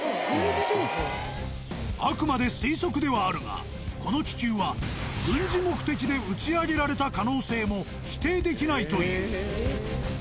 あくまで推測ではあるがこの気球は軍事目的で打ち上げられた可能性も否定できないという。